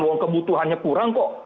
uang kebutuhannya kurang kok